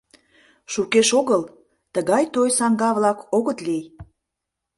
Шукеш огыл, тыгай той саҥга-влак огыт лий.